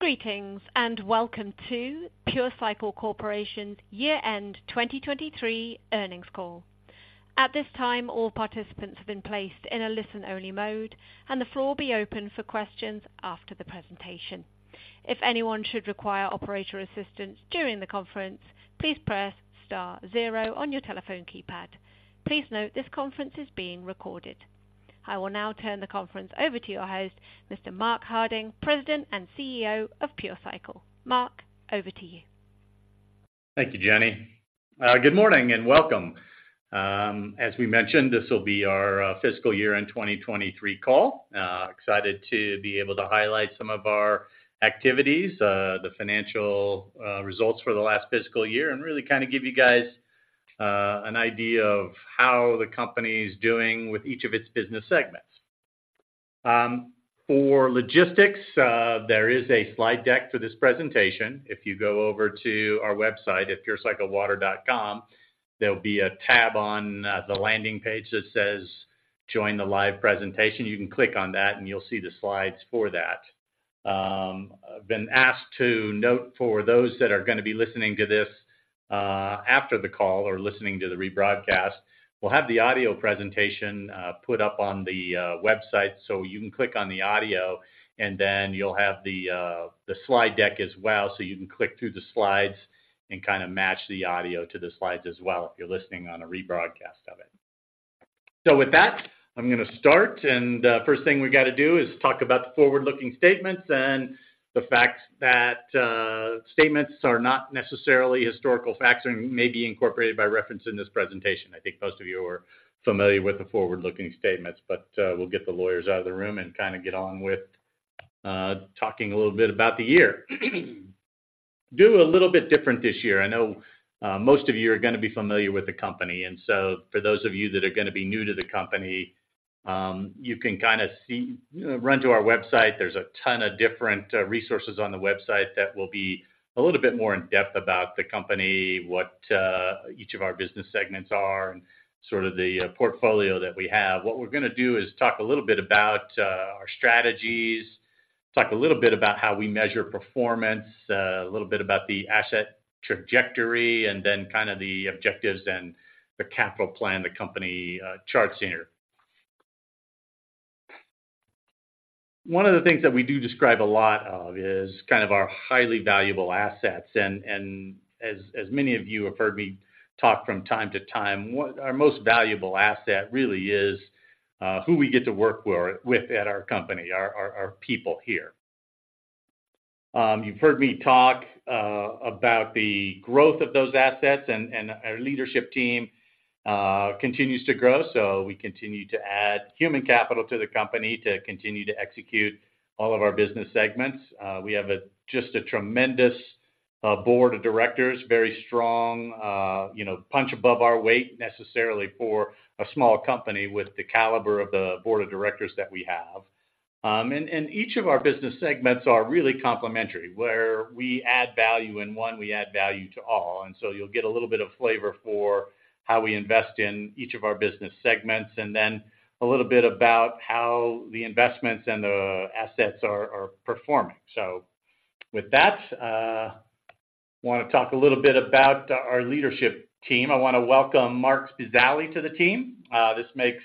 Greetings, and welcome to Pure Cycle Corporation's year-end 2023 earnings call. At this time, all participants have been placed in a listen-only mode, and the floor will be open for questions after the presentation. If anyone should require operator assistance during the conference, please press star zero on your telephone keypad. Please note, this conference is being recorded. I will now turn the conference over to your host, Mr. Mark Harding, President and CEO of Pure Cycle. Mark, over to you. Thank you, Jenny. Good morning, and welcome. As we mentioned, this will be our fiscal year-end 2023 call. Excited to be able to highlight some of our activities, the financial results for the last fiscal year, and really kind of give you guys an idea of how the company is doing with each of its business segments. For logistics, there is a slide deck for this presentation. If you go over to our website, at purecyclecorp.com, there'll be a tab on the landing page that says, "Join the live presentation." You can click on that, and you'll see the slides for that. I've been asked to note for those that are gonna be listening to this after the call or listening to the rebroadcast, we'll have the audio presentation put up on the website. So you can click on the audio, and then you'll have the, the slide deck as well. So you can click through the slides and kind of match the audio to the slides as well, if you're listening on a rebroadcast of it. So with that, I'm gonna start, and first thing we've got to do is talk about the forward-looking statements and the fact that statements are not necessarily historical facts and may be incorporated by reference in this presentation. I think most of you are familiar with the forward-looking statements, but we'll get the lawyers out of the room and kind of get on with talking a little bit about the year. Do it a little bit different this year. I know, most of you are gonna be familiar with the company, and so for those of you that are gonna be new to the company, you can kind of see, run to our website. There's a ton of different resources on the website that will be a little bit more in depth about the company, what each of our business segments are, and sort of the portfolio that we have. What we're gonna do is talk a little bit about our strategies, talk a little bit about how we measure performance, a little bit about the asset trajectory, and then kind of the objectives and the capital plan, the company charts in. One of the things that we do describe a lot of is kind of our highly valuable assets, and as many of you have heard me talk from time to time, what our most valuable asset really is, who we get to work with at our company, our people here. You've heard me talk about the growth of those assets and our leadership team continues to grow. So we continue to add human capital to the company to continue to execute all of our business segments. We have just a tremendous board of directors, very strong, you know, punch above our weight, necessarily for a small company with the caliber of the board of directors that we have. And each of our business segments are really complementary, where we add value in one, we add value to all. And so you'll get a little bit of flavor for how we invest in each of our business segments, and then a little bit about how the investments and the assets are performing. So with that, I want to talk a little bit about our leadership team. I want to welcome Marc Spezialy to the team. This makes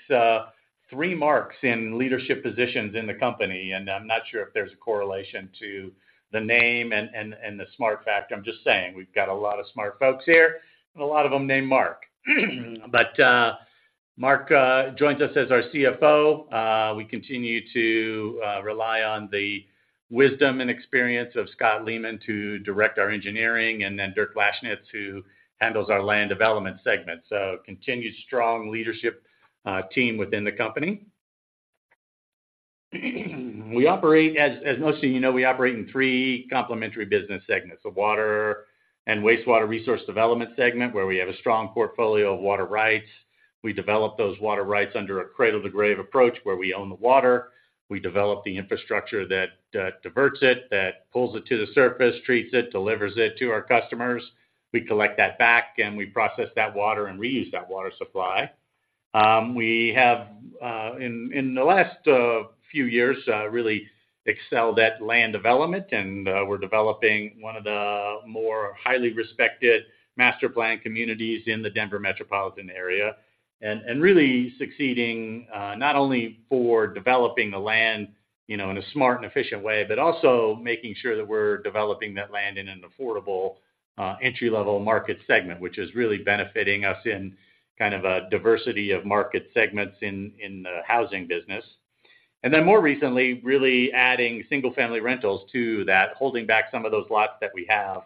three Marks in leadership positions in the company, and I'm not sure if there's a correlation to the name and the smart fact. I'm just saying, we've got a lot of smart folks here, and a lot of them named Mark. But Mark joins us as our CFO. We continue to rely on the wisdom and experience of Scott Lehman to direct our engineering, and then Dirk Lashnits, who handles our land development segment. So continued strong leadership team within the company. We operate as most of you know, we operate in three complementary business segments, the water and wastewater resource development segment, where we have a strong portfolio of water rights. We develop those water rights under a cradle-to-grave approach, where we own the water, we develop the infrastructure that diverts it, that pulls it to the surface, treats it, delivers it to our customers. We collect that back, and we process that water and reuse that water supply. We have, in the last few years, really excelled at land development, and we're developing one of the more highly respected master planned communities in the Denver metropolitan area. And really succeeding, not only for developing the land, you know, in a smart and efficient way, but also making sure that we're developing that land in an affordable entry-level market segment, which is really benefiting us in kind of a diversity of market segments in the housing business. And then more recently, really adding single-family rentals to that, holding back some of those lots that we have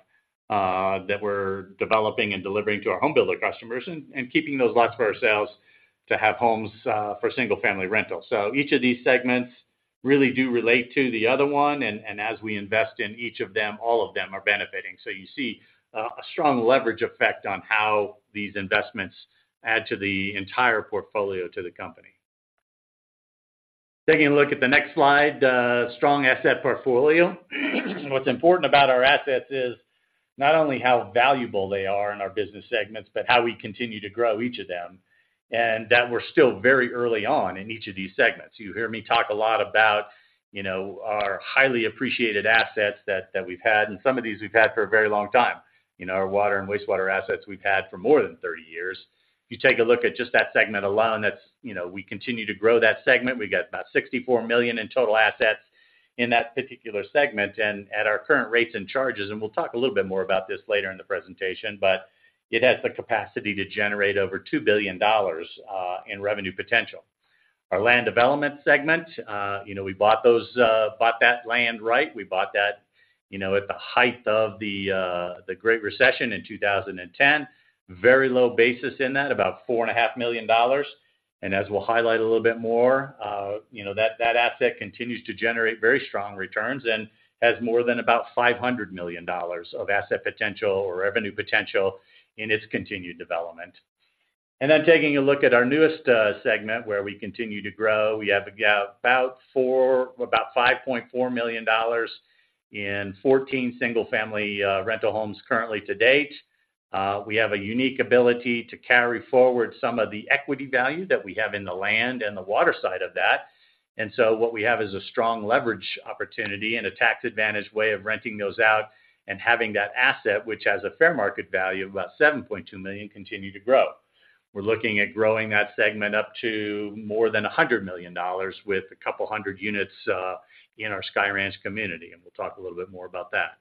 that we're developing and delivering to our home builder customers and keeping those lots for ourselves to have homes for single-family rentals. So each of these segments really do relate to the other one, and as we invest in each of them, all of them are benefiting. So you see a strong leverage effect on how these investments add to the entire portfolio to the company. Taking a look at the next slide, strong asset portfolio. What's important about our assets is not only how valuable they are in our business segments, but how we continue to grow each of them, and that we're still very early on in each of these segments. You hear me talk a lot about, you know, our highly appreciated assets that we've had, and some of these we've had for a very long time. You know, our water and wastewater assets we've had for more than 30 years. If you take a look at just that segment alone, that's, you know, we continue to grow that segment. We got about $64 million in total assets in that particular segment, and at our current rates and charges, and we'll talk a little bit more about this later in the presentation, but it has the capacity to generate over $2 billion in revenue potential. Our land development segment, you know, we bought those, bought that land, right? We bought that, you know, at the height of the Great Recession in 2010. Very low basis in that, about $4.5 million. As we'll highlight a little bit more, you know, that, that asset continues to generate very strong returns and has more than about $500 million of asset potential or revenue potential in its continued development. Then taking a look at our newest segment, where we continue to grow. We have about $5.4 million in 14 single-family rental homes currently to date. We have a unique ability to carry forward some of the equity value that we have in the land and the water side of that. And so what we have is a strong leverage opportunity and a tax advantage way of renting those out and having that asset, which has a fair market value of about $7.2 million, continue to grow. We're looking at growing that segment up to more than $100 million with a couple hundred units in our Sky Ranch community, and we'll talk a little bit more about that.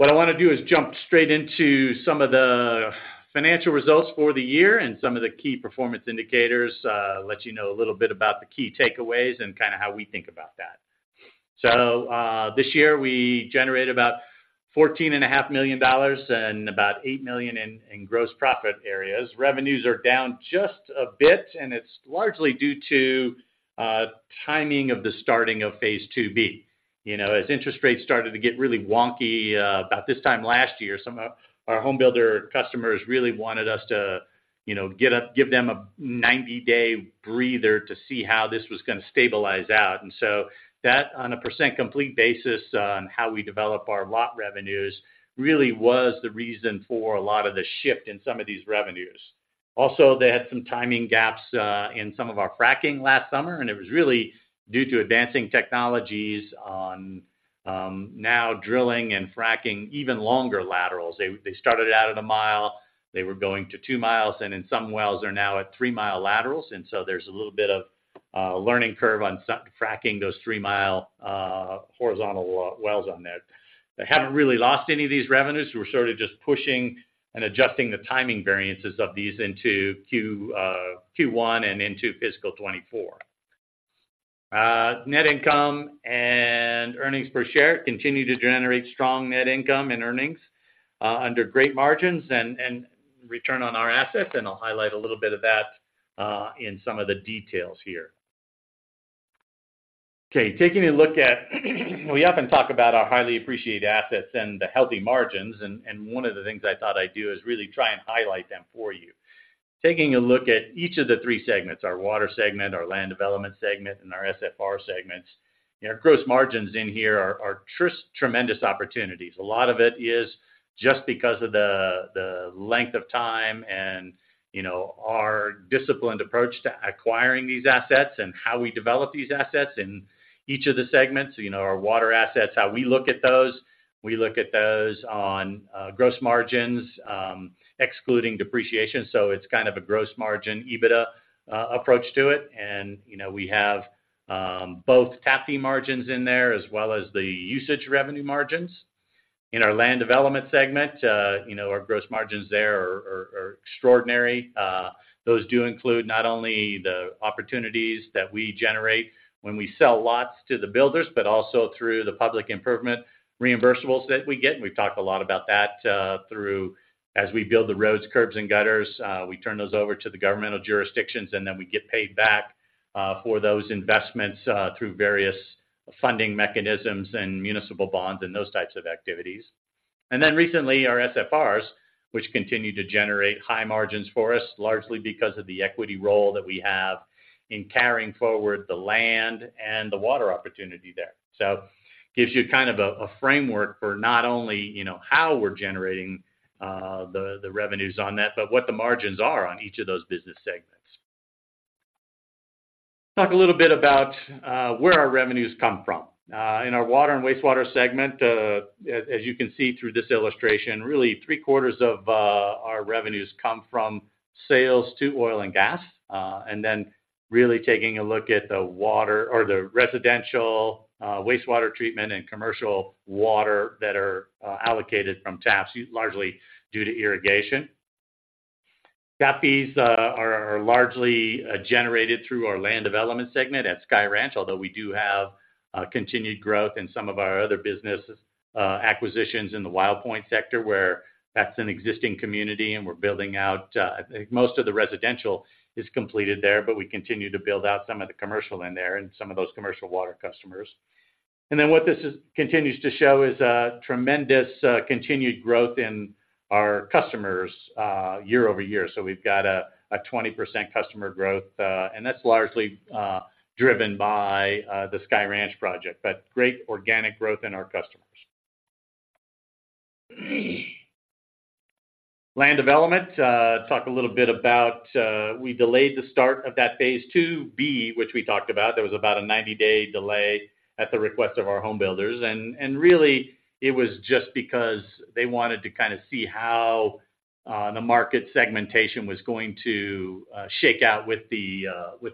What I wanna do is jump straight into some of the financial results for the year and some of the key performance indicators, let you know a little bit about the key takeaways and kinda how we think about that. So, this year, we generated about $14.5 million and about $8 million in gross profit areas. Revenues are down just a bit, and it's largely due to timing of the starting of phase II-B. You know, as interest rates started to get really wonky about this time last year, some of our home builder customers really wanted us to, you know, give them a 90-day breather to see how this was gonna stabilize out. And so that, on a percent complete basis on how we develop our lot revenues, really was the reason for a lot of the shift in some of these revenues. Also, they had some timing gaps in some of our fracking last summer, and it was really due to advancing technologies on now drilling and fracking even longer laterals. They started out at 1 mile, they were going to two miles, and in some wells, they're now at three-mile laterals, and so there's a little bit of a learning curve on fracking those three-mile horizontal wells on there. They haven't really lost any of these revenues. We're sort of just pushing and adjusting the timing variances of these into Q1 and into fiscal 2024. Net income and earnings per share continue to generate strong net income and earnings under great margins and return on our assets, and I'll highlight a little bit of that in some of the details here. Okay. Taking a look at, we often talk about our highly appreciated assets and the healthy margins, and one of the things I thought I'd do is really try and highlight them for you. Taking a look at each of the three segments, our water segment, our land development segment, and our SFR segments, you know, gross margins in here are tremendous opportunities. A lot of it is just because of the length of time and, you know, our disciplined approach to acquiring these assets and how we develop these assets in each of the segments. You know, our water assets, how we look at those, we look at those on, gross margins, excluding depreciation, so it's kind of a gross margin, EBITDA, approach to it. You know, we have, both tap fee margins in there as well as the usage revenue margins. In our land development segment, you know, our gross margins there are extraordinary. Those do include not only the opportunities that we generate when we sell lots to the builders, but also through the public improvement reimbursables that we get. We've talked a lot about that, through... As we build the roads, curbs, and gutters, we turn those over to the governmental jurisdictions, and then we get paid back for those investments through various funding mechanisms and municipal bonds and those types of activities. And then recently, our SFRs, which continue to generate high margins for us, largely because of the equity role that we have in carrying forward the land and the water opportunity there. So gives you kind of a framework for not only, you know, how we're generating the revenues on that, but what the margins are on each of those business segments. Talk a little bit about where our revenues come from. In our water and wastewater segment, as you can see through this illustration, really, three-quarters of our revenues come from sales to oil and gas, and then really taking a look at the water or the residential, wastewater treatment and commercial water that are allocated from taps, largely due to irrigation. Tap fees are largely generated through our land development segment at Sky Ranch, although we do have continued growth in some of our other business, acquisitions in the Wild Pointe sector, where that's an existing community, and we're building out. Most of the residential is completed there, but we continue to build out some of the commercial in there and some of those commercial water customers. And then what this continues to show is a tremendous, continued growth in our customers, year-over-year. So we've got a 20% customer growth, and that's largely driven by the Sky Ranch project, but great organic growth in our customers. Land development, talk a little bit about, we delayed the start of that phase II-B, which we talked about. There was about a 90-day delay at the request of our home builders. And really, it was just because they wanted to kind of see how the market segmentation was going to shake out with the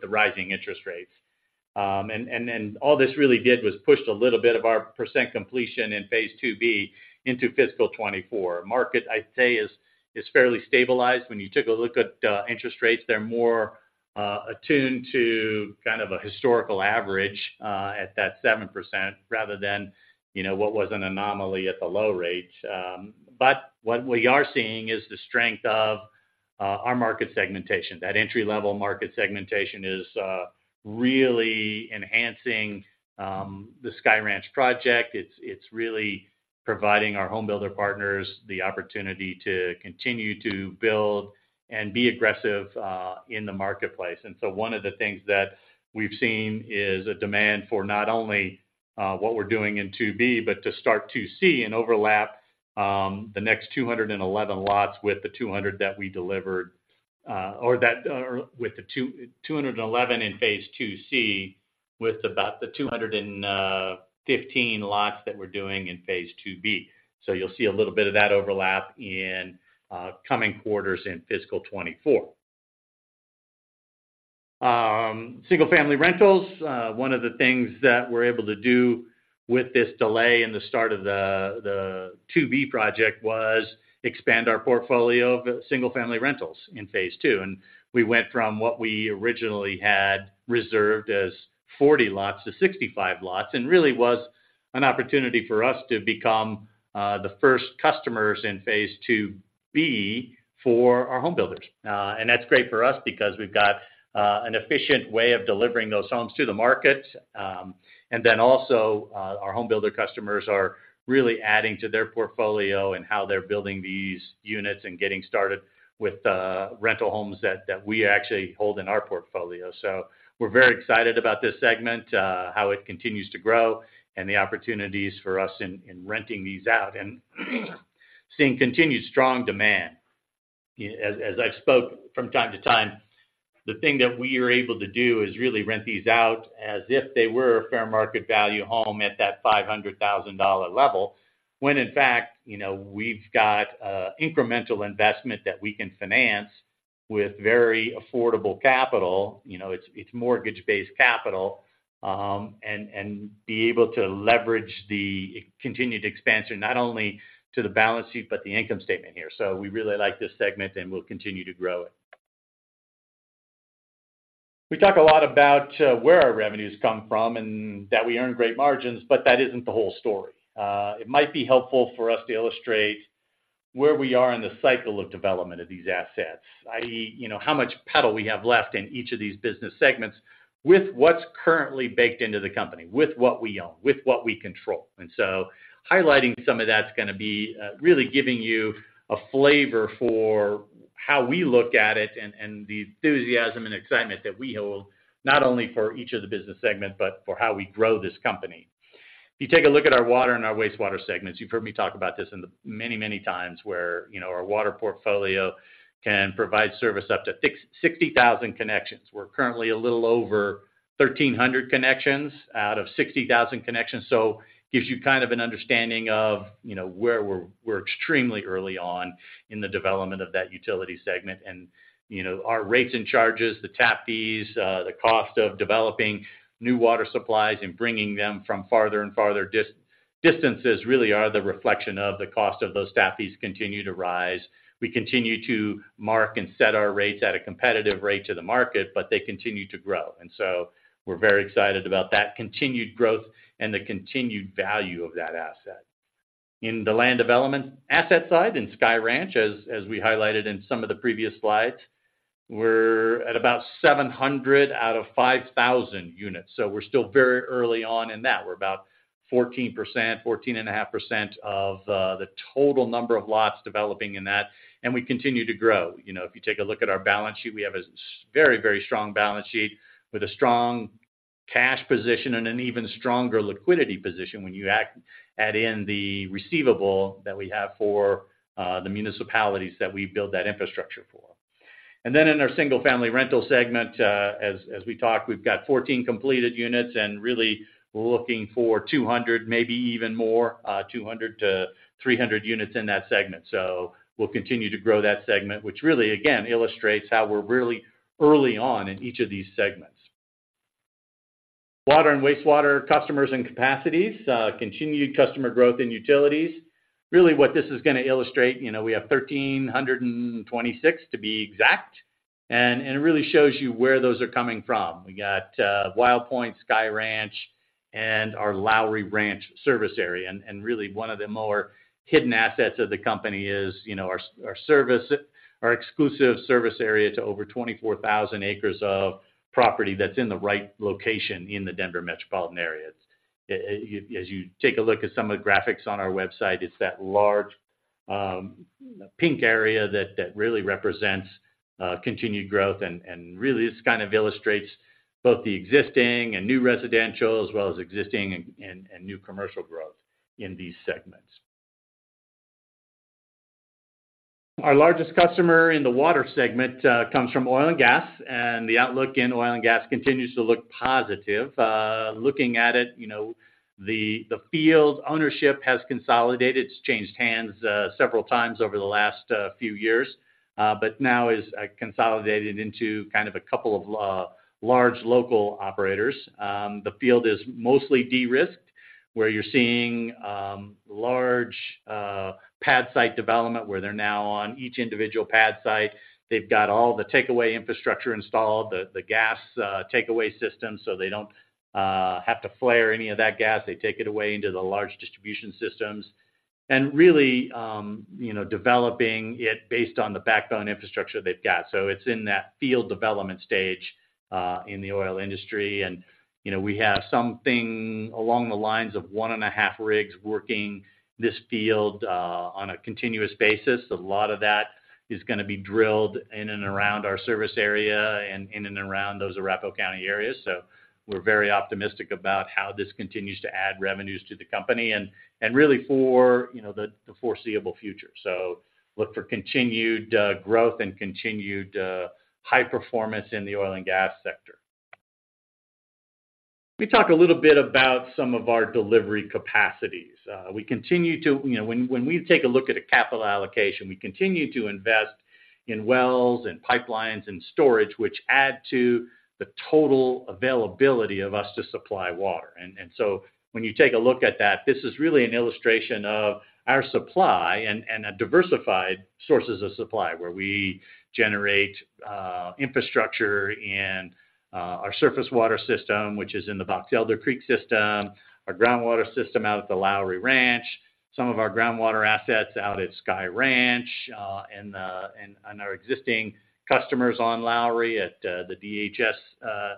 rising interest rates. And then all this really did was pushed a little bit of our percent completion in phase II-B into fiscal 2024. Market, I'd say, is fairly stabilized. When you take a look at interest rates, they're more attuned to kind of a historical average at that 7%, rather than, you know, what was an anomaly at the low rates. But what we are seeing is the strength of our market segmentation. That entry-level market segmentation is really enhancing the Sky Ranch project. It's, it's really providing our home builder partners the opportunity to continue to build and be aggressive in the marketplace. And so one of the things that we've seen is a demand for not only what we're doing in Two B, but to start Two C and overlap the next 211 lots with the 200 that we delivered or that with the 211 in phase II-C, with about the 200 and 15 lots that we're doing in phase II-B. So you'll see a little bit of that overlap in coming quarters in fiscal 2024. Single-family rentals, one of the things that we're able to do with this delay in the start of the Two B project was expand our portfolio of single-family rentals in phase II. We went from what we originally had reserved as 40 lots to 65 lots, and really was an opportunity for us to become the first customers in Phase 2B for our home builders. And that's great for us because we've got an efficient way of delivering those homes to the market. And then also, our home builder customers are really adding to their portfolio and how they're building these units and getting started with the rental homes that we actually hold in our portfolio. So we're very excited about this segment, how it continues to grow and the opportunities for us in renting these out and seeing continued strong demand. As I've spoke from time to time, the thing that we are able to do is really rent these out as if they were a fair market value home at that $500,000 level. When in fact, you know, we've got incremental investment that we can finance with very affordable capital, you know, it's mortgage-based capital, and be able to leverage the continued expansion, not only to the balance sheet, but the income statement here. So we really like this segment, and we'll continue to grow it. We talk a lot about where our revenues come from and that we earn great margins, but that isn't the whole story. It might be helpful for us to illustrate where we are in the cycle of development of these assets, i.e., you know, how much pedal we have left in each of these business segments with what's currently baked into the company, with what we own, with what we control. And so highlighting some of that's gonna be really giving you a flavor for how we look at it and, and the enthusiasm and excitement that we hold, not only for each of the business segments, but for how we grow this company. If you take a look at our water and our wastewater segments, you've heard me talk about this in the many, many times, where, you know, our water portfolio can provide service up to 60,000 connections. We're currently a little over 1,300 connections out of 60,000 connections. So it gives you kind of an understanding of, you know, where we're extremely early on in the development of that utility segment. And, you know, our rates and charges, the tap fees, the cost of developing new water supplies and bringing them from farther and farther distances, really are the reflection of the cost of those tap fees continue to rise. We continue to mark and set our rates at a competitive rate to the market, but they continue to grow. And so we're very excited about that continued growth and the continued value of that asset. In the land development asset side, in Sky Ranch, as we highlighted in some of the previous slides, we're at about 700 out of 5,000 units. So we're still very early on in that. We're about 14%, 14.5% of the total number of lots developing in that, and we continue to grow. You know, if you take a look at our balance sheet, we have a very, very strong balance sheet with a strong cash position and an even stronger liquidity position when you actually add in the receivable that we have for the municipalities that we build that infrastructure for. And then in our single-family rental segment, as we talked, we've got 14 completed units, and really, we're looking for 200, maybe even more, 200-300 units in that segment. So we'll continue to grow that segment, which really, again, illustrates how we're really early on in each of these segments. Water and wastewater customers and capacities, continued customer growth in utilities. Really, what this is gonna illustrate, you know, we have 1,326, to be exact, and it really shows you where those are coming from. We got Wild Pointe, Sky Ranch, and our Lowry Range service area. And really one of the more hidden assets of the company is, you know, our service, our exclusive service area to over 24,000 acres of property that's in the right location in the Denver metropolitan area. As you take a look at some of the graphics on our website, it's that large pink area that really represents continued growth, and really, this kind of illustrates both the existing and new residential, as well as existing and new commercial growth in these segments. Our largest customer in the water segment comes from oil and gas, and the outlook in oil and gas continues to look positive. Looking at it, you know, the field ownership has consolidated. It's changed hands several times over the last few years, but now is consolidated into kind of a couple of large local operators. The field is mostly de-risked, where you're seeing large pad site development, where they're now on each individual pad site. They've got all the takeaway infrastructure installed, the gas takeaway system, so they don't have to flare any of that gas. They take it away into the large distribution systems. And really, you know, developing it based on the backbone infrastructure they've got. So it's in that field development stage in the oil industry. You know, we have something along the lines of one and a half rigs working this field on a continuous basis. A lot of that is gonna be drilled in and around our service area and in and around those Arapahoe County areas. So we're very optimistic about how this continues to add revenues to the company, and really for, you know, the foreseeable future. So look for continued growth and continued high performance in the oil and gas sector. Let me talk a little bit about some of our delivery capacities. We continue to, you know, when we take a look at a capital allocation, we continue to invest in wells and pipelines and storage, which add to the total availability of us to supply water. So when you take a look at that, this is really an illustration of our supply and a diversified sources of supply, where we generate infrastructure in our surface water system, which is in the Boxelder Creek system, our groundwater system out at the Lowry Ranch, some of our groundwater assets out at Sky Ranch, and our existing customers on Lowry at the DHS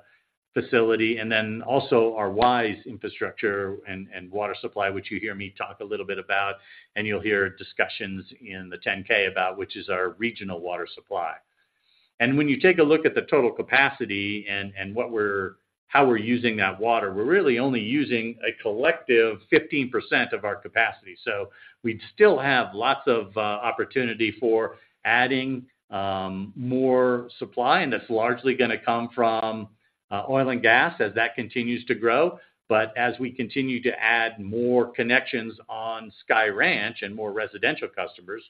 facility, and then also our WISE infrastructure and water supply, which you hear me talk a little bit about, and you'll hear discussions in the 10-K about, which is our regional water supply. And when you take a look at the total capacity and what we're how we're using that water, we're really only using a collective 15% of our capacity. So we'd still have lots of opportunity for adding more supply, and that's largely gonna come from oil and gas as that continues to grow. But as we continue to add more connections on Sky Ranch and more residential customers,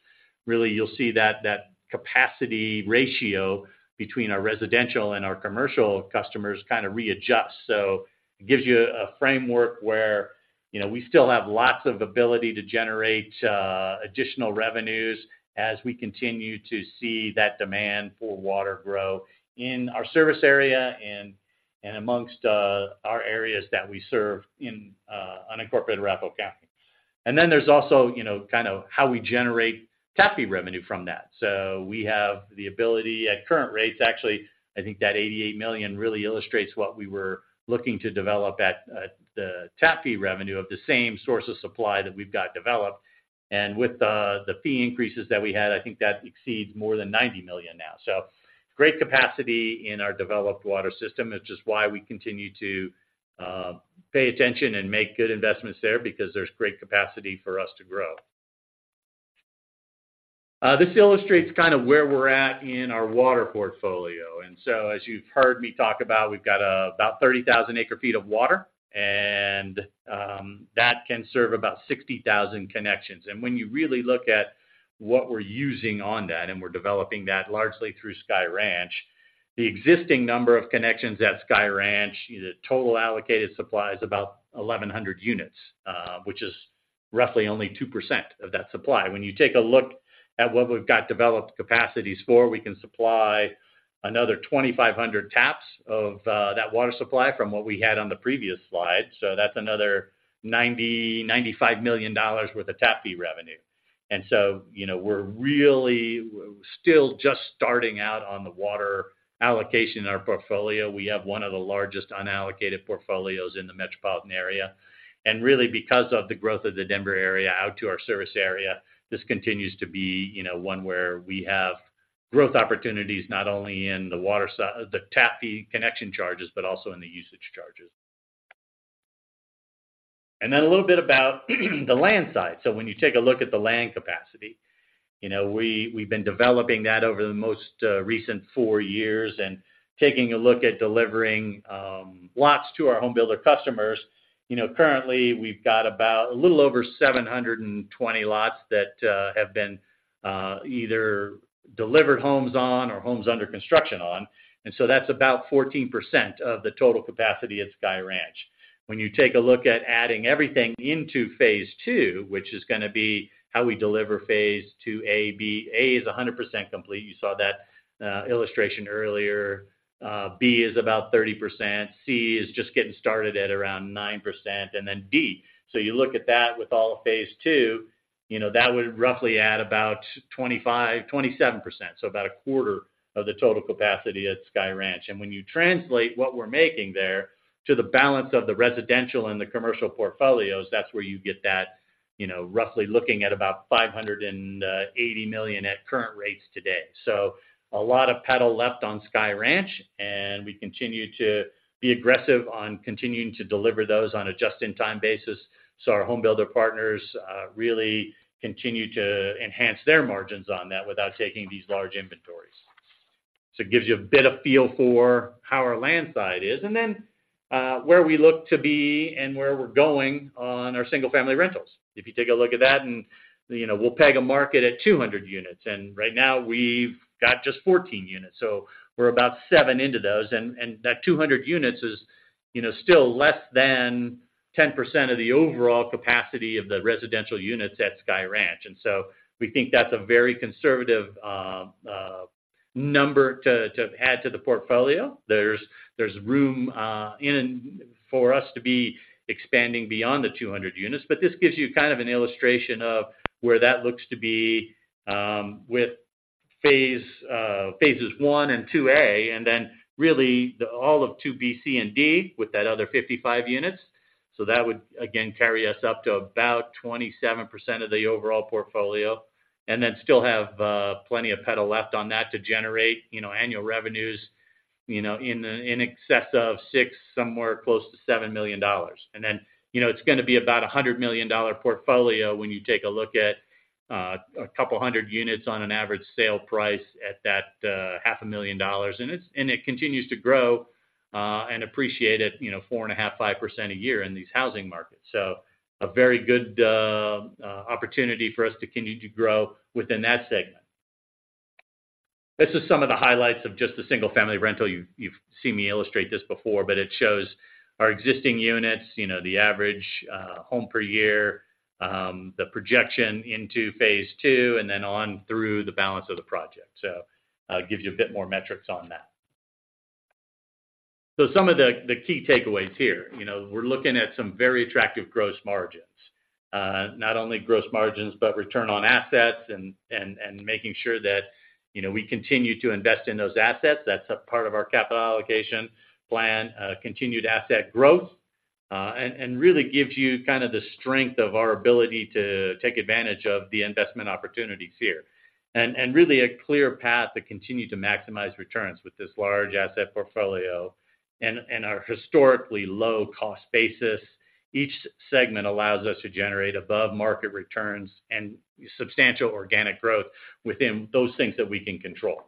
really you'll see that that capacity ratio between our residential and our commercial customers kind of readjusts. So it gives you a framework where, you know, we still have lots of ability to generate additional revenues as we continue to see that demand for water grow in our service area and amongst our areas that we serve in unincorporated Arapahoe County. And then there's also, you know, kind of how we generate tap fee revenue from that. So we have the ability, at current rates, actually, I think that $88 million really illustrates what we were looking to develop at, at the tap fee revenue of the same source of supply that we've got developed. And with the, the fee increases that we had, I think that exceeds more than $90 million now. So great capacity in our developed water system, which is why we continue to pay attention and make good investments there, because there's great capacity for us to grow. This illustrates kind of where we're at in our water portfolio. And so, as you've heard me talk about, we've got about 30,000 acre-feet of water, and that can serve about 60,000 connections. When you really look at what we're using on that, and we're developing that largely through Sky Ranch, the existing number of connections at Sky Ranch, the total allocated supply is about 1,100 units, which is roughly only 2% of that supply. When you take a look at what we've got developed capacities for, we can supply another 2,500 taps of that water supply from what we had on the previous slide. So that's another $90-$95 million worth of tap fee revenue. And so, you know, we're really still just starting out on the water allocation in our portfolio. We have one of the largest unallocated portfolios in the metropolitan area. Really, because of the growth of the Denver area out to our service area, this continues to be, you know, one where we have growth opportunities, not only in the water side, the tap fee connection charges, but also in the usage charges. Then a little bit about the land side. When you take a look at the land capacity, you know, we, we've been developing that over the most recent four years and taking a look at delivering lots to our home builder customers. You know, currently, we've got about a little over 720 lots that have been either delivered homes on or homes under construction on. And so that's about 14% of the total capacity at Sky Ranch. When you take a look at adding everything into phase II, which is gonna be how we deliver phase II, A, B. A is 100% complete. You saw that illustration earlier. B is about 30%. C is just getting started at around 9%, and then D. So you look at that with all of phase II, you know, that would roughly add about 25%-27%, so about a quarter of the total capacity at Sky Ranch. And when you translate what we're making there to the balance of the residential and the commercial portfolios, that's where you get that, you know, roughly looking at about $580 million at current rates today. So a lot of pedal left on Sky Ranch, and we continue to be aggressive on continuing to deliver those on a just-in-time basis. So our home builder partners really continue to enhance their margins on that without taking these large inventories. So it gives you a bit of feel for how our land side is, and then where we look to be and where we're going on our single-family rentals. If you take a look at that and, you know, we'll peg a market at 200 units, and right now, we've got just 14 units, so we're about 7% into those. And that 200 units is, you know, still less than 10% of the overall capacity of the residential units at Sky Ranch. And so we think that's a very conservative number to add to the portfolio. There's room for us to be expanding beyond the 200 units, but this gives you kind of an illustration of where that looks to be with phases I and II-A, and then really all of II-B, C, and D with that other 55 units. So that would again carry us up to about 27% of the overall portfolio and then still have plenty of pedal left on that to generate, you know, annual revenues, you know, in excess of $6 million, somewhere close to $7 million. And then, you know, it's gonna be about a $100 million portfolio when you take a look at a couple hundred units on an average sale price at that $500,000. And it, and it continues to grow, and appreciate it, you know, 4.5%-5% a year in these housing markets. So a very good, opportunity for us to continue to grow within that segment. This is some of the highlights of just the single-family rental. You've, you've seen me illustrate this before, but it shows our existing units, you know, the average, home per year, the projection into phase II, and then on through the balance of the project. So, it gives you a bit more metrics on that. So some of the, the key takeaways here. You know, we're looking at some very attractive gross margins. Not only gross margins, but return on assets and, and, and making sure that, you know, we continue to invest in those assets. That's a part of our capital allocation plan, continued asset growth, and really gives you kind of the strength of our ability to take advantage of the investment opportunities here. And really a clear path to continue to maximize returns with this large asset portfolio and our historically low-cost basis. Each segment allows us to generate above-market returns and substantial organic growth within those things that we can control.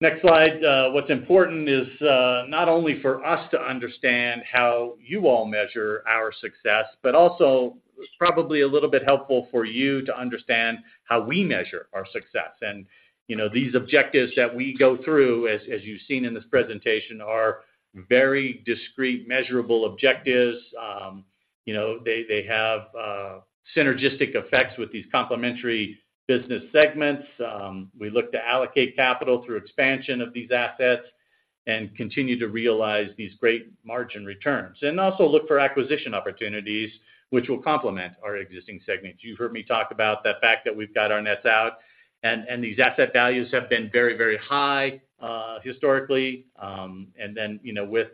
Next slide. What's important is, not only for us to understand how you all measure our success, but also probably a little bit helpful for you to understand how we measure our success. And, you know, these objectives that we go through, as you've seen in this presentation, are very discrete, measurable objectives, you know, they have synergistic effects with these complementary business segments. We look to allocate capital through expansion of these assets and continue to realize these great margin returns, and also look for acquisition opportunities which will complement our existing segments. You've heard me talk about the fact that we've got our nets out, and, and these asset values have been very, very high, historically. And then, you know, with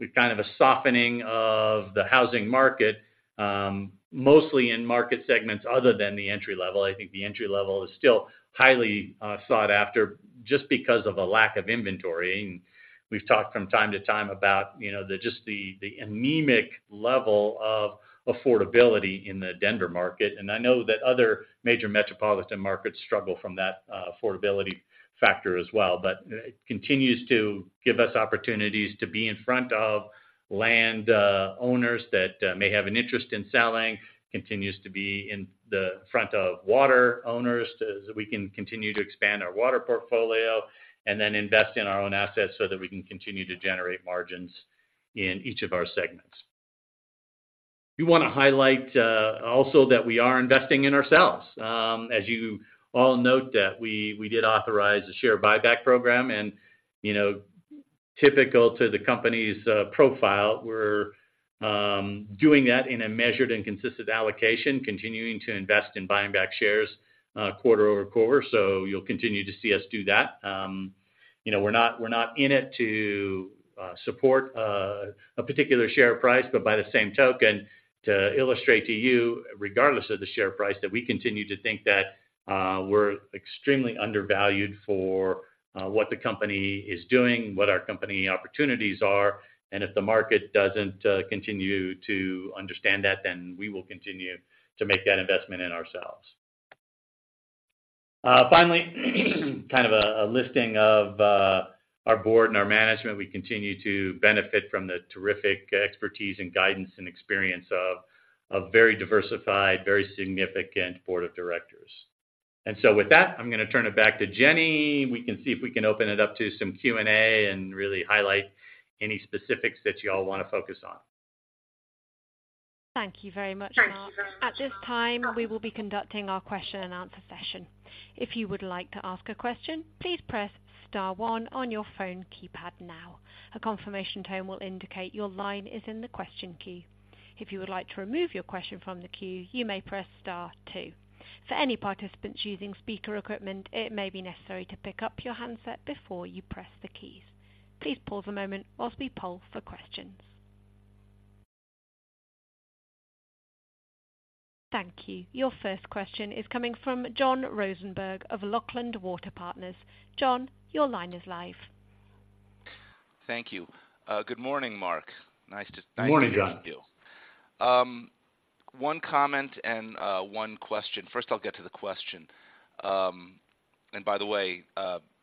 the kind of a softening of the housing market, mostly in market segments other than the entry-level, I think the entry level is still highly sought after just because of a lack of inventory. And we've talked from time to time about, you know, the, just the, the anemic level of affordability in the Denver market. And I know that other major metropolitan markets struggle from that affordability factor as well. But, it continues to give us opportunities to be in front of land, owners that, may have an interest in selling, continues to be in the front of water owners, as we can continue to expand our water portfolio, and then invest in our own assets so that we can continue to generate margins in each of our segments. We want to highlight, also that we are investing in ourselves. As you all note that we did authorize a share buyback program, and, you know, typical to the company's, profile, we're, doing that in a measured and consistent allocation, continuing to invest in buying back shares, quarter over quarter. So you'll continue to see us do that. You know, we're not, we're not in it to support a particular share price, but by the same token, to illustrate to you, regardless of the share price, that we continue to think that we're extremely undervalued for what the company is doing, what our company opportunities are, and if the market doesn't continue to understand that, then we will continue to make that investment in ourselves. Finally, kind of a listing of our board and our management. We continue to benefit from the terrific expertise and guidance, and experience of a very diversified, very significant board of directors. So with that, I'm gonna turn it back to Jenny. We can see if we can open it up to some Q&A and really highlight any specifics that you all want to focus on. Thank you very much, Mark. At this time, we will be conducting our question and answer session. If you would like to ask a question, please press star one on your phone keypad now. A confirmation tone will indicate your line is in the question queue. If you would like to remove your question from the queue, you may press star two. For any participants using speaker equipment, it may be necessary to pick up your handset before you press the keys.... Please pause a moment while we poll for questions. Thank you. Your first question is coming from John Rosenberg of Laughlin Water Partners. John, your line is live. Thank you. Good morning, Mark. Nice to- Good morning, John. Nice to meet you. One comment and one question. First, I'll get to the question. And by the way,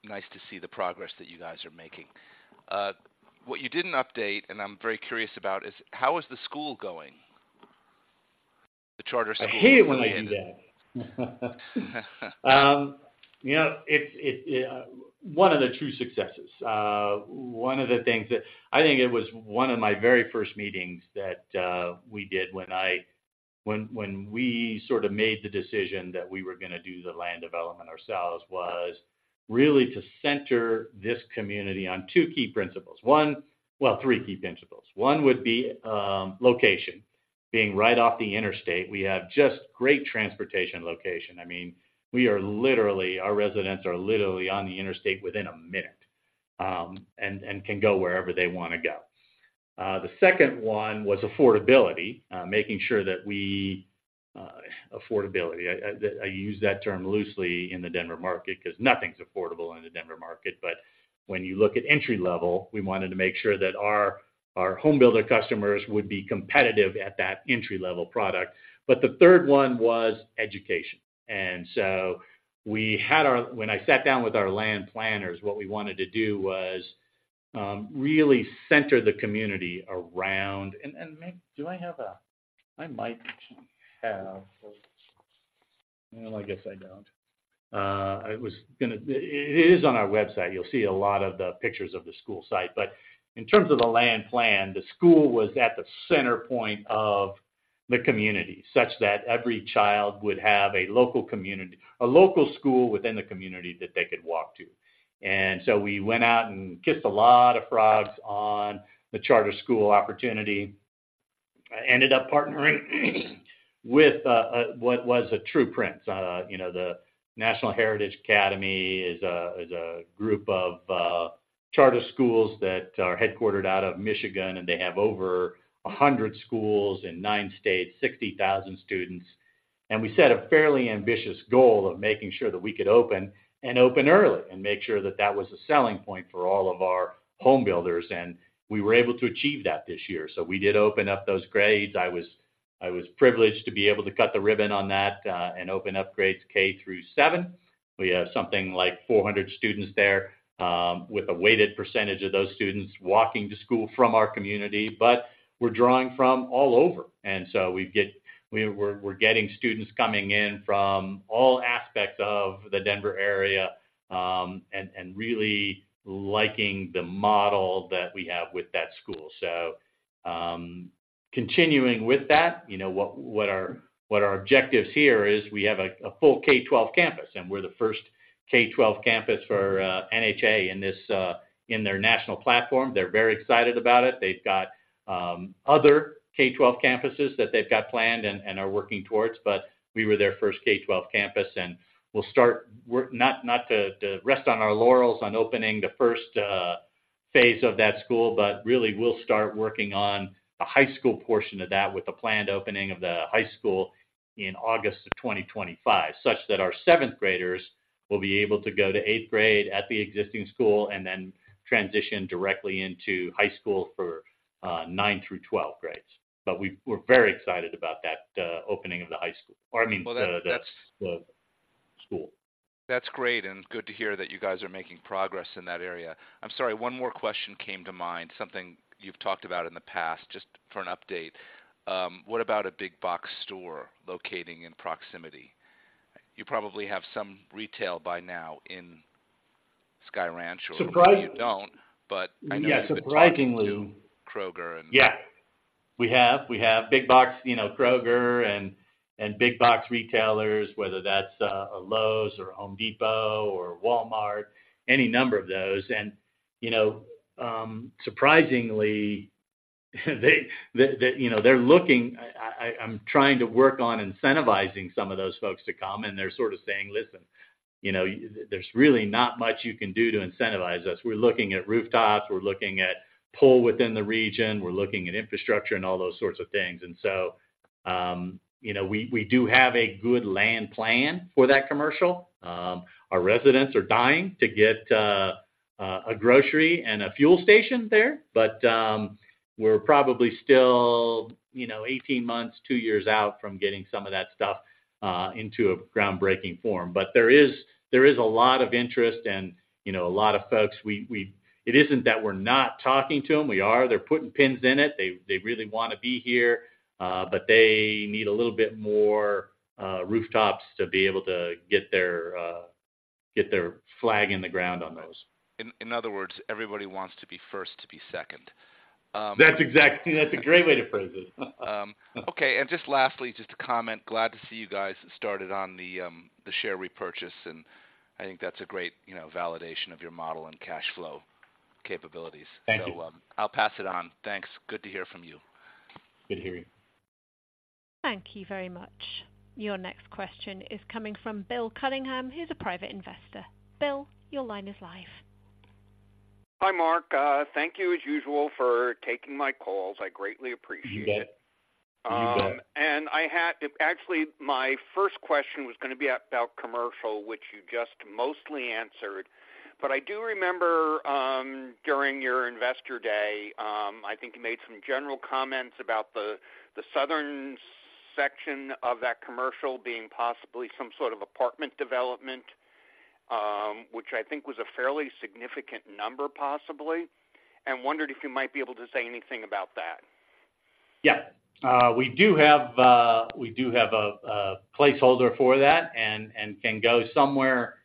nice to see the progress that you guys are making. What you didn't update, and I'm very curious about, is how is the school going? The charter school. I hate it when they do that. You know, it's one of the true successes. One of the things that, I think it was one of my very first meetings that we did when we sort of made the decision that we were going to do the land development ourselves, was really to center this community on two key principles. One. Well, three key principles. One would be location. Being right off the interstate, we have just great transportation location. I mean, we are literally, our residents are literally on the interstate within a minute, and can go wherever they want to go. The second one was affordability, making sure that we affordability. I use that term loosely in the Denver market because nothing's affordable in the Denver market. But when you look at entry-level, we wanted to make sure that our home builder customers would be competitive at that entry-level product. But the third one was education. And so when I sat down with our land planners, what we wanted to do was really center the community around. It is on our website, you'll see a lot of the pictures of the school site. But in terms of the land plan, the school was at the center point of the community, such that every child would have a local community, a local school within the community that they could walk to. We went out and kissed a lot of frogs on the charter school opportunity, ended up partnering with a what was a true prince. You know, the National Heritage Academies is a group of charter schools that are headquartered out of Michigan, and they have over 100 schools in nine states, 60,000 students. We set a fairly ambitious goal of making sure that we could open and open early, and make sure that that was a selling point for all of our home builders, and we were able to achieve that this year. So we did open up those grades. I was privileged to be able to cut the ribbon on that, and open up grades K through seven. We have something like 400 students there, with a weighted percentage of those students walking to school from our community, but we're drawing from all over, and so we get, we're getting students coming in from all aspects of the Denver area, and really liking the model that we have with that school. So, continuing with that, you know, what our objectives here is, we have a full K-12 campus, and we're the first K-12 campus for NHA in their national platform. They're very excited about it. They've got other K-12 campuses that they've got planned and are working towards, but we were their first K-12 campus, and we'll start work... Not to rest on our laurels on opening the first phase of that school, but really, we'll start working on the high school portion of that with the planned opening of the high school in August of 2025, such that our seventh graders will be able to go to eighth grade at the existing school and then transition directly into high school for nine through 12 grades. But we're very excited about that opening of the high school—or I mean, the school. That's great, and good to hear that you guys are making progress in that area. I'm sorry, one more question came to mind, something you've talked about in the past, just for an update. What about a big box store locating in proximity? You probably have some retail by now in Sky Ranch- Surprisingly- Or maybe you don't, but I know- Yeah, surprisingly- Kroger and- Yeah. We have big box, you know, Kroger and big box retailers, whether that's a Lowe's or Home Depot or Walmart, any number of those. And, you know, surprisingly, they, the, you know, they're looking... I, I'm trying to work on incentivizing some of those folks to come, and they're sort of saying: Listen, you know, there's really not much you can do to incentivize us. We're looking at rooftops, we're looking at pull within the region, we're looking at infrastructure and all those sorts of things. And so, you know, we do have a good land plan for that commercial. Our residents are dying to get a grocery and a fuel station there, but we're probably still, you know, 18 months, two years out from getting some of that stuff into a groundbreaking form. But there is a lot of interest and, you know, a lot of folks. We—it isn't that we're not talking to them. We are. They're putting pins in it. They really want to be here, but they need a little bit more rooftops to be able to get their flag in the ground on those. In other words, everybody wants to be first to be second. That's exactly... That's a great way to phrase it. Okay. And just lastly, just a comment. Glad to see you guys started on the share repurchase, and I think that's a great, you know, validation of your model and cash flow capabilities. Thank you. So, I'll pass it on. Thanks. Good to hear from you. Good to hear you. ...Thank you very much. Your next question is coming from Bill Cunningham, who's a private investor. Bill, your line is live. Hi, Mark. Thank you as usual for taking my calls. I greatly appreciate it. You bet. Actually, my first question was gonna be about commercial, which you just mostly answered. But I do remember, during your Investor Day, I think you made some general comments about the southern section of that commercial being possibly some sort of apartment development, which I think was a fairly significant number, possibly. And wondered if you might be able to say anything about that. Yeah. We do have a placeholder for that and can go somewhere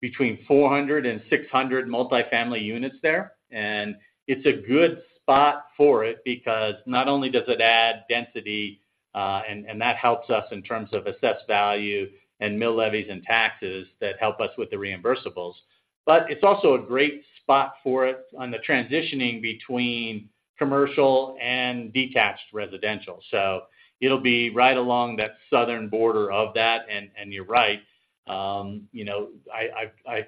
between 400-600 multifamily units there. And it's a good spot for it because not only does it add density, and that helps us in terms of assessed value and mill levies and taxes that help us with the reimbursables, but it's also a great spot for it on the transitioning between commercial and detached residential. So it'll be right along that southern border of that, and you're right. You know, I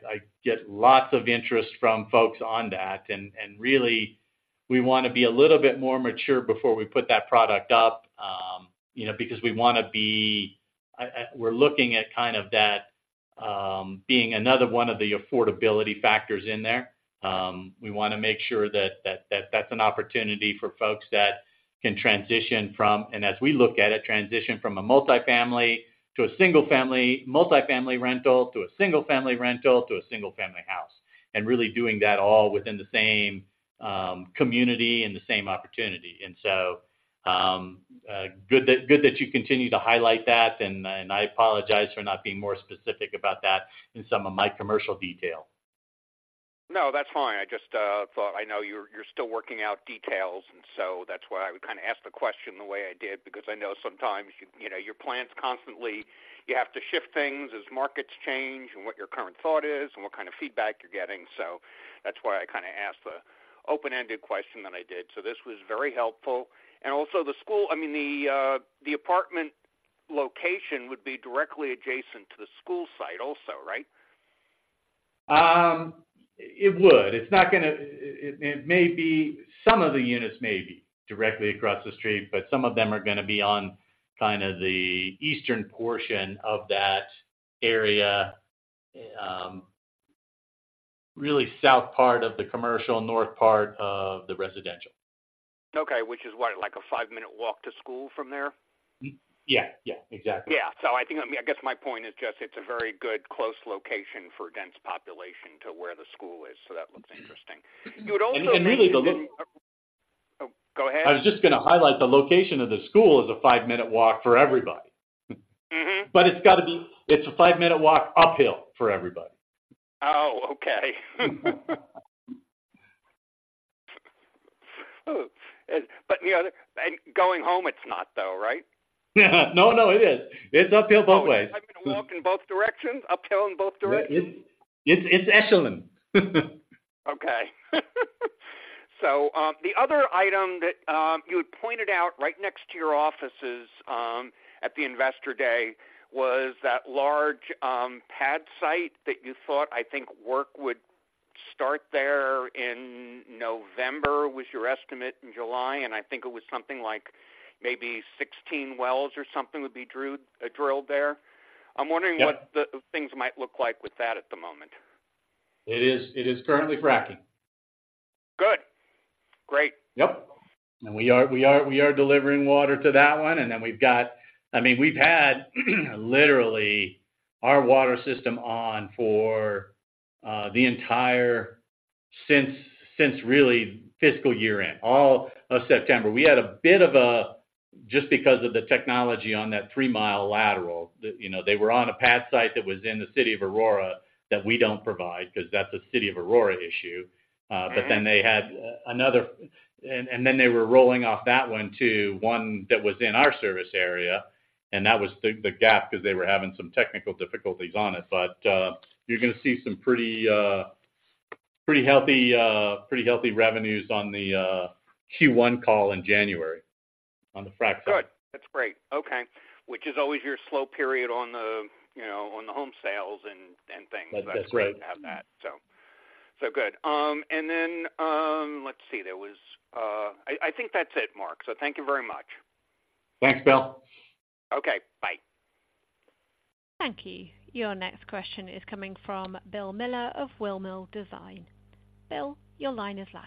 get lots of interest from folks on that, and really, we wanna be a little bit more mature before we put that product up, you know, because we wanna be... We're looking at kind of that, being another one of the affordability factors in there. We wanna make sure that, that, that's an opportunity for folks that can transition from, and as we look at it, transition from a multifamily to a single family, multifamily rental to a single family rental to a single-family house, and really doing that all within the same, community and the same opportunity. And so, good that, good that you continue to highlight that, and, and I apologize for not being more specific about that in some of my commercial detail. No, that's fine. I just thought, I know you're, you're still working out details, and so that's why I would kinda ask the question the way I did, because I know sometimes, you, you know, your plans constantly, you have to shift things as markets change and what your current thought is and what kind of feedback you're getting. So that's why I kinda asked the open-ended question that I did. So this was very helpful. And also the school—I mean, the apartment location would be directly adjacent to the school site also, right? It would. It's not gonna, it may be, some of the units may be directly across the street, but some of them are gonna be on kind of the eastern portion of that area, really south part of the commercial, north part of the residential. Okay, which is what? Like a five-minute walk to school from there? Yeah, yeah, exactly. Yeah. So I think, I mean, I guess my point is just it's a very good close location for dense population to where the school is, so that looks interesting. You would also- And really the- Oh, go ahead. I was just gonna highlight the location of the school is a five-minute walk for everybody. Mm-hmm. But it's gotta be a five-minute walk uphill for everybody. Oh, okay. But, you know, and going home, it's not, though, right? No, no, it is. It's uphill both ways. 5-minute walk in both directions, uphill in both directions? It's echelon. Okay. So, the other item that you had pointed out right next to your offices, at the Investor Day, was that large pad site that you thought, I think, work would start there in November, was your estimate in July, and I think it was something like maybe 16 wells or something would be drilled there. Yeah. I'm wondering what the things might look like with that at the moment. It is currently fracking. Good. Great. Yep. We are delivering water to that one, and then we've got... I mean, we've had, literally our water system on for the entire, since really fiscal year-end, all of September. We had a bit of a, just because of the technology on that three-mile lateral, you know, they were on a pad site that was in the City of Aurora that we don't provide, because that's a City of Aurora issue. But then they had another-- and, and then they were rolling off that one to one that was in our service area, and that was the, the gap, because they were having some technical difficulties on it. But you're gonna see some pretty, pretty healthy, pretty healthy revenues on the Q1 call in January, on the frack. Good. That's great. Okay. Which is always your slow period on the, you know, on the home sales and, and things. That's great. So that's great to have that, so, so good. And then, let's see, there was... I think that's it, Mark. So thank you very much. Thanks, Bill. Okay, bye. Thank you. Your next question is coming from Bill Miller of Bill Miller Design. Bill, your line is live.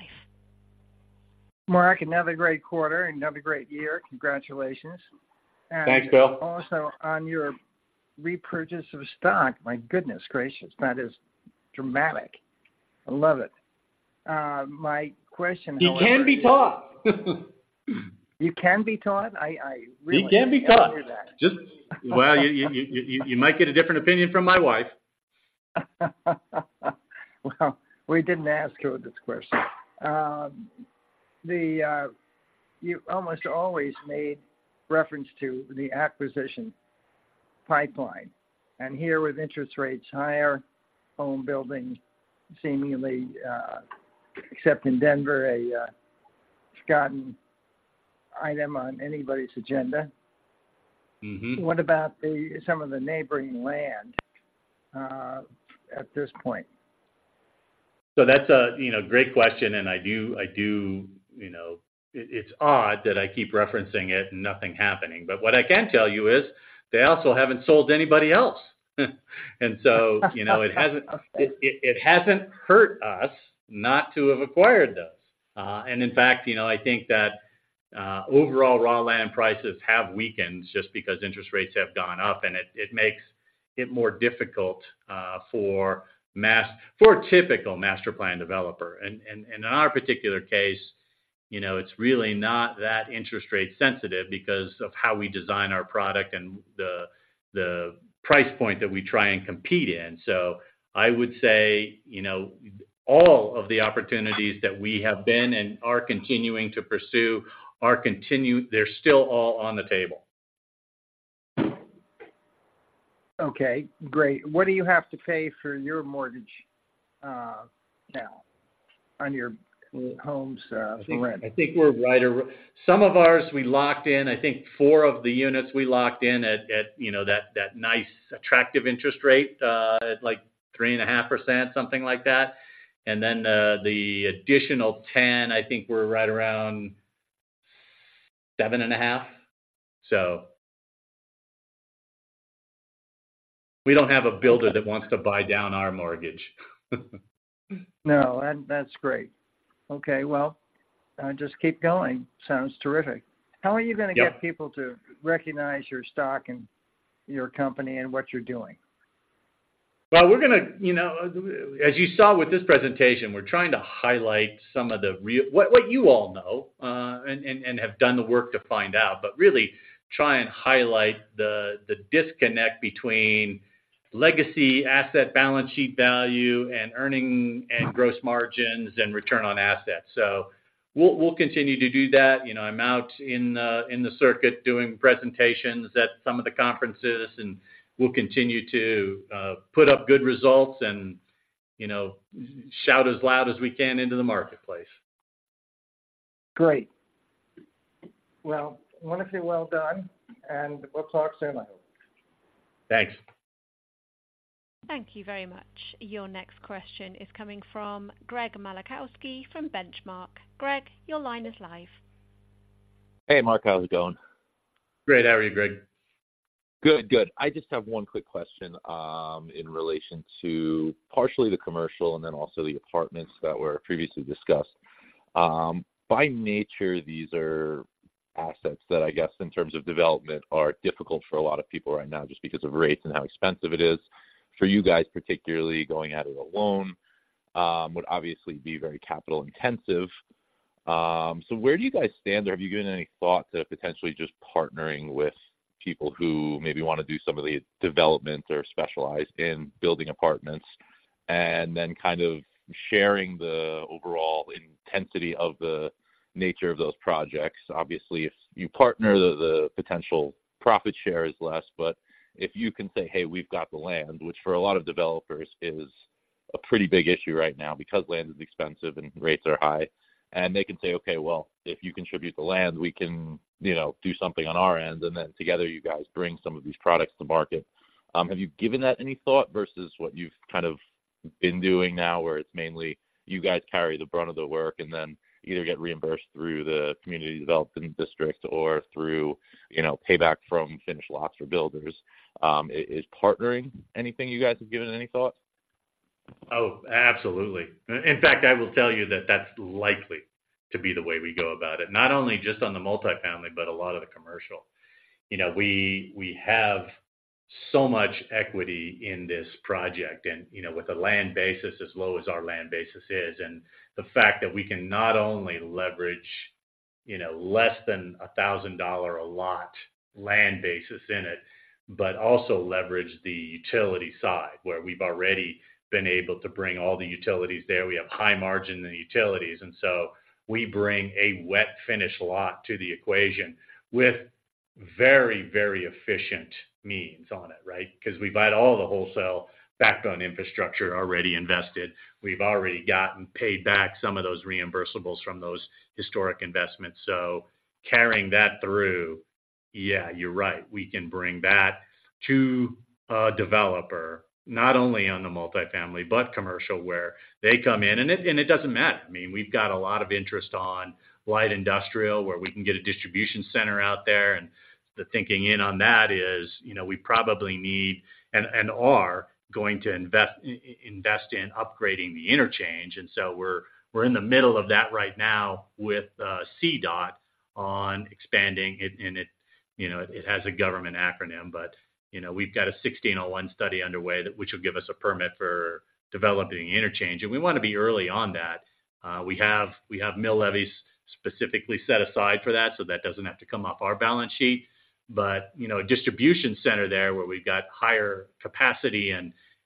Mark, another great quarter and another great year. Congratulations. Thanks, Bill. Also, on your repurchase of stock, my goodness gracious, that is dramatic! I love it. My question however- You can be taught. You can be taught? I really- You can be taught. -hear that. Well, you might get a different opinion from my wife. Well, we didn't ask her this question. You almost always made reference to the acquisition pipeline. And here with interest rates higher, home building seemingly, except in Denver, a forgotten item on anybody's agenda. What about the, some of the neighboring land, at this point? So that's a great question, you know, and I do. You know, it's odd that I keep referencing it and nothing happening. But what I can tell you is, they also haven't sold anybody else. And so you know, it hasn't hurt us not to have acquired those. And in fact, you know, I think that overall raw land prices have weakened just because interest rates have gone up, and it makes it more difficult for a typical master plan developer. And in our particular case, you know, it's really not that interest rate sensitive because of how we design our product and the price point that we try and compete in. So I would say, you know, all of the opportunities that we have been and are continuing to pursue, are continued—they're still all on the table. Okay, great. What do you have to pay for your mortgage, now on your homes, for rent? I think, I think we're right or wrong. Some of ours, we locked in. I think four of the units, we locked in at, you know, that nice, attractive interest rate, at like 3.5%, something like that. And then, the additional 10, I think we're right around 7.5. So we don't have a builder that wants to buy down our mortgage. No, and that's great. Okay, well, just keep going. Sounds terrific. Yeah. How are you gonna get people to recognize your stock and your company and what you're doing? Well, we're gonna, you know, as you saw with this presentation, we're trying to highlight some of the what you all know and have done the work to find out, but really try and highlight the disconnect between legacy asset balance sheet value, and earning, and gross margins, and return on assets. So we'll continue to do that. You know, I'm out in the circuit doing presentations at some of the conferences, and we'll continue to put up good results and, you know, shout as loud as we can into the marketplace. Great. Well, wonderfully well done, and we'll talk soon, I hope. Thanks. Thank you very much. Your next question is coming from Greg Malachowski from Benchmark. Greg, your line is live. Hey, Mark, how's it going? Great. How are you, Greg? Good, good. I just have one quick question, in relation to partially the commercial and then also the apartments that were previously discussed. By nature, these are assets that I guess, in terms of development, are difficult for a lot of people right now just because of rates and how expensive it is. For you guys, particularly going at it alone, would obviously be very capital intensive. So where do you guys stand? Or have you given any thought to potentially just partnering with people who maybe wanna do some of the development or specialize in building apartments, and then kind of sharing the overall intensity of the nature of those projects? Obviously, if you partner, the potential profit share is less, but if you can say, "Hey, we've got the land," which for a lot of developers is a pretty big issue right now because land is expensive and rates are high, and they can say, "Okay, well, if you contribute the land, we can, you know, do something on our end," and then together, you guys bring some of these products to market. Have you given that any thought versus what you've kind of been doing now, where it's mainly you guys carry the brunt of the work and then either get reimbursed through the community development district or through, you know, payback from finished lots or builders? Is partnering anything you guys have given any thought? Oh, absolutely. In fact, I will tell you that that's likely to be the way we go about it, not only just on the multifamily, but a lot of the commercial. You know, we have so much equity in this project and, you know, with a land basis, as low as our land basis is, and the fact that we can not only leverage, you know, less than $1,000 a lot land basis in it, but also leverage the utility side, where we've already been able to bring all the utilities there. We have high margin in the utilities, and so we bring a wet finished lot to the equation with very, very efficient means on it, right? Because we've added all the wholesale backbone infrastructure already invested. We've already gotten paid back some of those reimbursables from those historic investments. So carrying that through, yeah, you're right, we can bring that to a developer, not only on the multifamily, but commercial, where they come in. And it, and it doesn't matter. I mean, we've got a lot of interest on light industrial, where we can get a distribution center out there, and the thinking in on that is, you know, we probably need and are going to invest in upgrading the interchange, and so we're in the middle of that right now with CDOT on expanding it, and it, you know, it has a government acronym, but, you know, we've got a 1601 study underway, that which will give us a permit for developing the interchange, and we wanna be early on that. We have mill levies specifically set aside for that, so that doesn't have to come off our balance sheet. But, you know, a distribution center there, where we've got higher capacity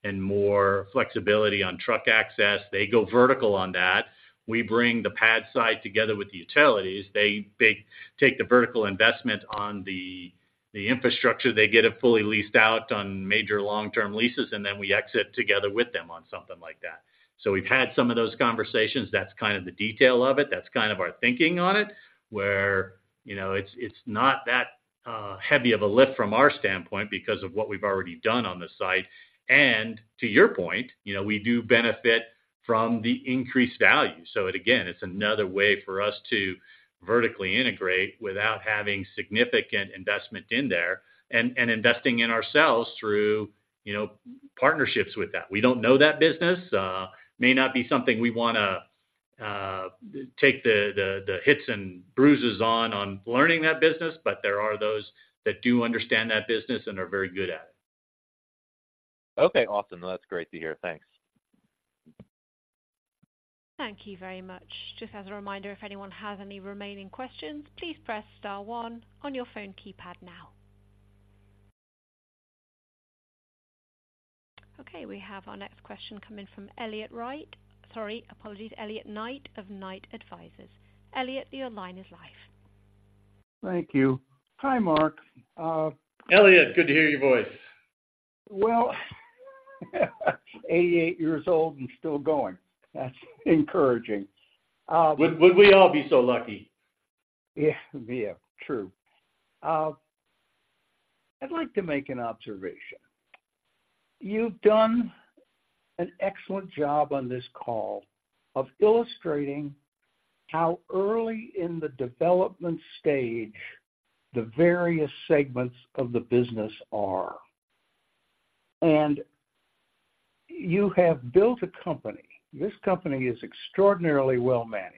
and more flexibility on truck access. They go vertical on that. We bring the pad site together with the utilities. They take the vertical investment on the infrastructure, they get it fully leased out on major long-term leases, and then we exit together with them on something like that. So we've had some of those conversations. That's kind of the detail of it. That's kind of our thinking on it, where, you know, it's not that heavy of a lift from our standpoint because of what we've already done on the site. And to your point, you know, we do benefit from the increased value. So again, it's another way for us to vertically integrate without having significant investment in there and investing in ourselves through, you know, partnerships with that. We don't know that business, may not be something we wanna take the hits and bruises on learning that business, but there are those that do understand that business and are very good at it. Okay, awesome. Well, that's great to hear. Thanks. Thank you very much. Just as a reminder, if anyone has any remaining questions, please press star one on your phone keypad now. Okay, we have our next question coming from Elliot Knight. Sorry, apologies, Elliot Knight of Knight Advisors. Elliott, your line is live. Thank you. Hi, Mark, Elliot, good to hear your voice. Well, 88 years old and still going. That's encouraging. Would we all be so lucky? Yeah, yeah, true. I'd like to make an observation. You've done an excellent job on this call of illustrating how early in the development stage the various segments of the business are. You have built a company. This company is extraordinarily well managed.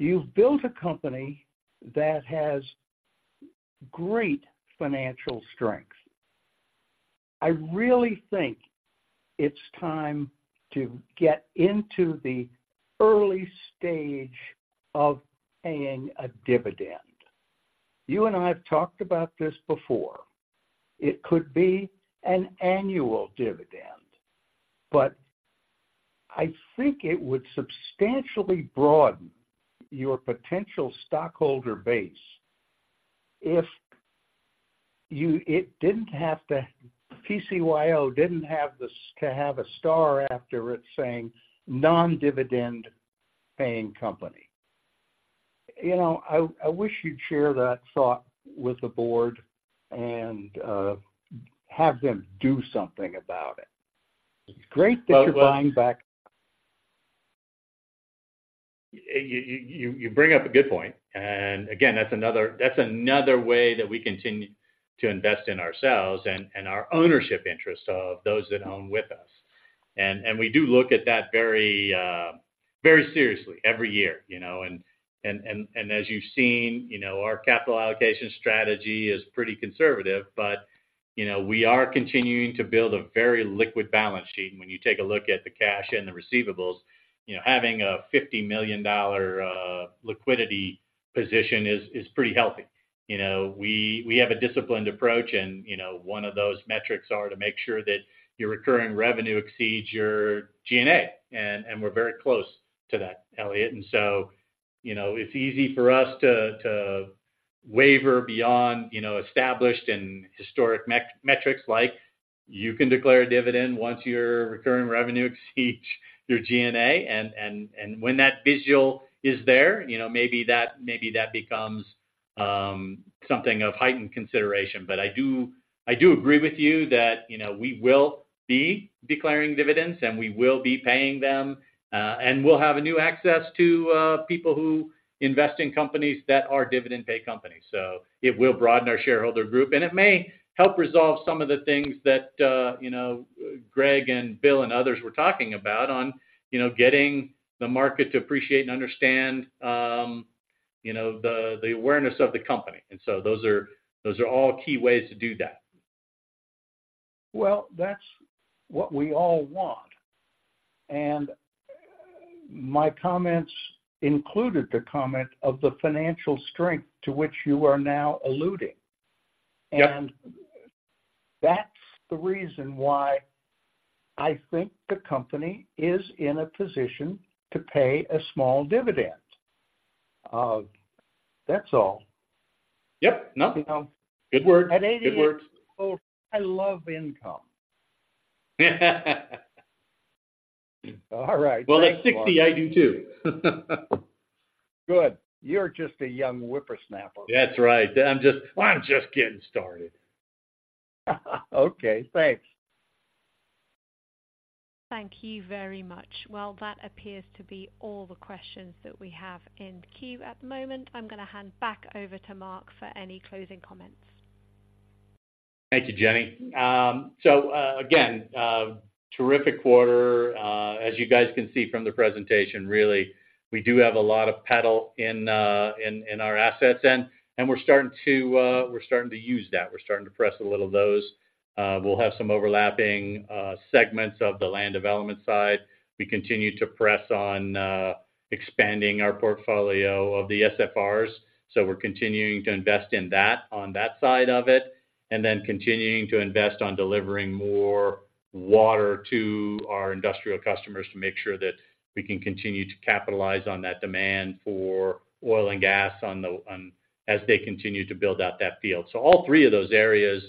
You've built a company that has great financial strength. I really think it's time to get into the early stage of paying a dividend. You and I have talked about this before. It could be an annual dividend, but I think it would substantially broaden your potential stockholder base if you—it didn't have to... PCYO didn't have the, to have a star after it, saying, "Non-dividend paying company." You know, I wish you'd share that thought with the board and have them do something about it. It's great that you're buying back. You bring up a good point. And again, that's another way that we continue to invest in ourselves and our ownership interests of those that own with us. And we do look at that very, very seriously every year, you know, and, and as you've seen, you know, our capital allocation strategy is pretty conservative, but, you know, we are continuing to build a very liquid balance sheet. When you take a look at the cash and the receivables, you know, having a $50 million liquidity position is pretty healthy. You know, we have a disciplined approach, and, you know, one of those metrics is to make sure that your recurring revenue exceeds your G&A, and we're very close to that, Elliot. And so, you know, it's easy for us to waver beyond, you know, established and historic metrics, like, you can declare a dividend once your recurring revenue exceeds your G&A. And when that visual is there, you know, maybe that becomes something of heightened consideration. But I do agree with you that, you know, we will be declaring dividends, and we will be paying them, and we'll have a new access to people who invest in companies that are dividend-pay companies. So it will broaden our shareholder group, and it may help resolve some of the things that, you know, Greg and Bill and others were talking about on, you know, getting the market to appreciate and understand, you know, the awareness of the company. And so those are all key ways to do that. Well, that's what we all want, and my comments included the comment of the financial strength to which you are now alluding. Yep. That's the reason why I think the company is in a position to pay a small dividend. That's all. Yep. No, good work. At eighty-eight- Good work. I love income. All right. Well, at 60, I do, too. Good. You're just a young whippersnapper. That's right. I'm just getting started. Okay, thanks. Thank you very much. Well, that appears to be all the questions that we have in queue at the moment. I'm gonna hand back over to Mark for any closing comments. Thank you, Jenny. So, again, terrific quarter. As you guys can see from the presentation, really, we do have a lot of pedal in, in, in our assets, and, and we're starting to, we're starting to use that. We're starting to press a little of those. We'll have some overlapping, segments of the land development side. We continue to press on, expanding our portfolio of the SFRs, so we're continuing to invest in that, on that side of it, and then continuing to invest on delivering more water to our industrial customers to make sure that we can continue to capitalize on that demand for oil and gas on the-- as they continue to build out that field. So all three of those areas,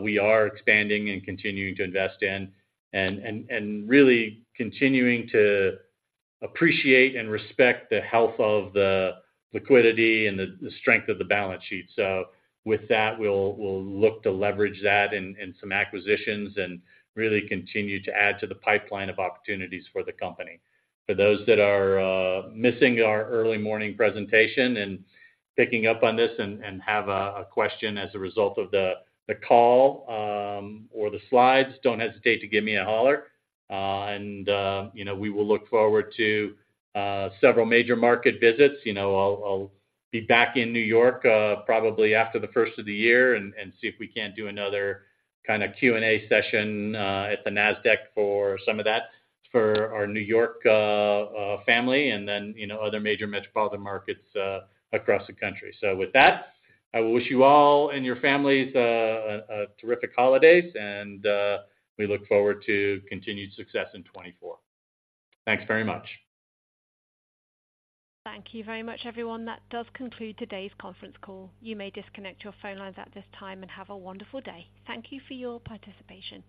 we are expanding and continuing to invest in and really continuing to appreciate and respect the health of the liquidity and the strength of the balance sheet. So with that, we'll look to leverage that in some acquisitions and really continue to add to the pipeline of opportunities for the company. For those that are missing our early morning presentation and picking up on this and have a question as a result of the call or the slides, don't hesitate to give me a holler. And you know, we will look forward to several major market visits. You know, I'll be back in New York, probably after the first of the year and see if we can't do another kind of Q&A session at the NASDAQ for some of that, for our New York family, and then, you know, other major metropolitan markets across the country. So with that, I wish you all and your families a terrific holidays, and we look forward to continued success in 2024. Thanks very much. Thank you very much, everyone. That does conclude today's conference call. You may disconnect your phone lines at this time and have a wonderful day. Thank you for your participation.